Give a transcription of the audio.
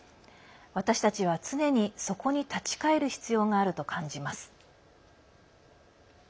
私たちは常にそこに立ち返る必要があると感じます。